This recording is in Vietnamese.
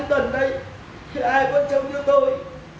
hai con chồng như tôi